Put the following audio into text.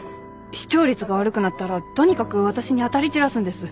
視聴率が悪くなったらとにかく私に当たり散らすんです。